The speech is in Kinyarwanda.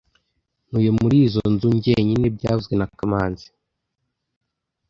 Ntuye muri izoi nzu jyenyine byavuzwe na kamanzi